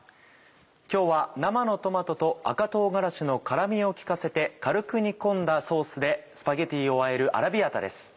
今日は生のトマトと赤唐辛子の辛みを利かせて軽く煮込んだソースでスパゲティをあえるアラビアータです。